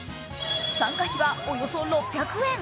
参加費はおよそ６００円。